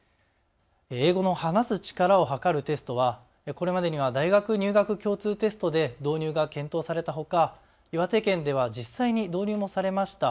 英語の話す力をはかるテストはこれまでには大学入学共通テストで導入が検討されたほか、岩手県では実際に導入もされました。